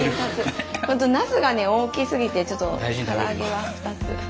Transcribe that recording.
本当ナスがね大きすぎてちょっとから揚げは２つ。